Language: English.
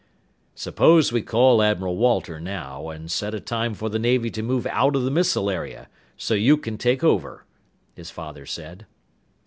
"Suppose we call Admiral Walter now and set a time for the Navy to move out of the missile area, so you can take over," his father said.